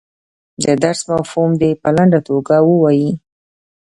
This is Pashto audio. د درس مفهوم دې په لنډه توګه ووایي.